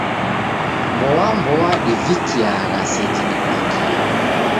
Mboa mboa divikiagha seji dipangie.